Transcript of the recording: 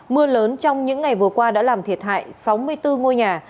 mưa lớn trong những ngày vừa qua đã làm thiệt hại sáu mươi bốn ngôi nhà